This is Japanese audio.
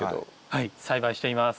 はい栽培しています。